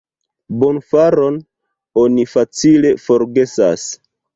Bonfaron oni facile forgesas.